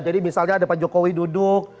jadi misalnya ada pak jokowi duduk